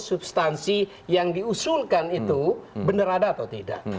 substansi yang diusulkan itu benar ada atau tidak